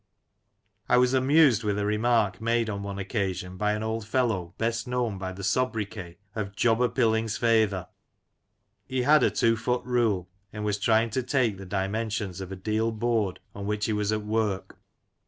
I was amused with a remark made on one occasion by an old fellow best known by the sobriquet of " Jobber Filling's Feyther." He had a two foot rule, and was trying to take the dimensions of a deal board on which he was at work.